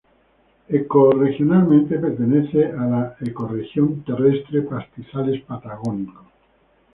Ecorregionalmente pertenece a la ecorregión terrestre pastizales patagónicos.